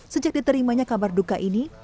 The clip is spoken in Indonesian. sejak diterimanya kabar duka ini